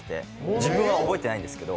自分は覚えてないんですけど。